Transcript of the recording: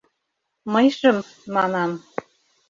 Мыйжым, манам...